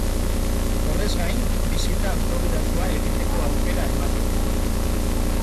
Horrez gain, bisita auto-gidatua egiteko aukera ematen da.